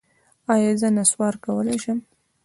ایا زه نسوار کولی شم؟